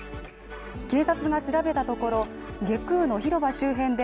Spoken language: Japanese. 警察が調べたところ、外宮の広場周辺で